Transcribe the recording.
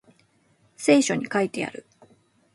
聖書に書いてある